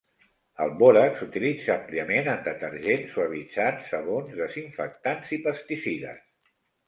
El bòrax s'utilitza àmpliament en detergents, suavitzants, sabons, desinfectants i pesticides.